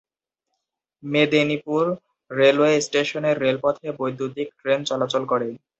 Medinipur railway স্টেশনের রেলপথে বৈদ্যুতীক ট্রেন চলাচল করে।